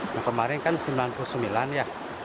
nah kemarin kan sembilan puluh sembilan ya